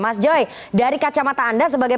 mas joy dari kacamata anda sebagai